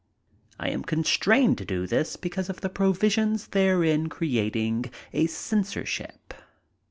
I am constrained to do this because of the pro visions therein creating a censorship.